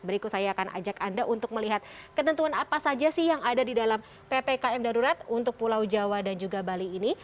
berikut saya akan ajak anda untuk melihat ketentuan apa saja sih yang ada di dalam ppkm darurat untuk pulau jawa dan juga bali ini